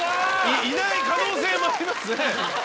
いない可能性もありますね。